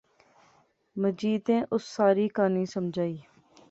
مجیدیں اس ساری کہاںی سمجھائی